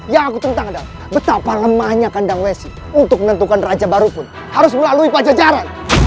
yang aku tentang adalah betapa lemahnya kandang wesi untuk menentukan raja baru pun harus melalui pajajaran